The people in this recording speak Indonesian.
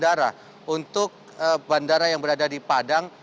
dan juga ada bandara untuk bandara yang berada di padang